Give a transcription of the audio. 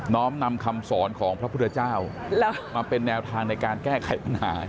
้อมนำคำสอนของพระพุทธเจ้ามาเป็นแนวทางในการแก้ไขปัญหา